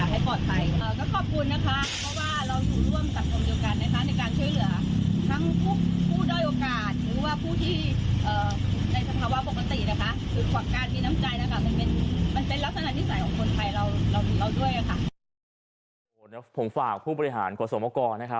หรือว่าผู้ที่ในสภาวะปกตินะคะ